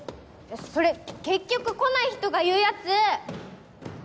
それ結局来ない人が言うやつ！